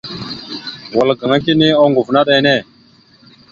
Wal gaŋa kini oŋgov naɗ enne.